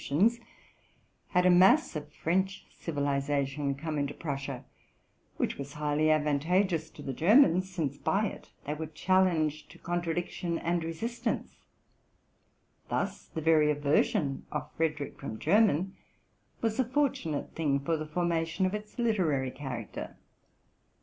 933 tions, had a mass of French civilization come into Prussia, which was highly advantageous to the Germans, since by it they were challenged to contradiction and resistance ; thus the very aversion of Frederick from German was a fortunate thing for the formation of its literary character.